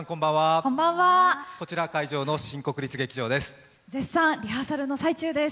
こちら、会場の新国立劇場です。